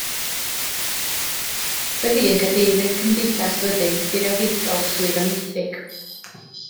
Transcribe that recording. Fe fu yn Gadeirydd Cymdeithas Fyddin Diriogaethol Swydd Amwythig.